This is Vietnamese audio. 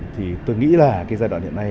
thì tôi nghĩ là giai đoạn hiện nay